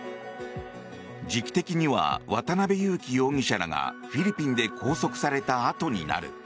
時期的には渡邉優樹容疑者らがフィリピンで拘束されたあとになる。